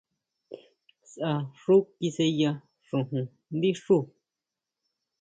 Sʼá xu kisʼeya xojón ndí xuú.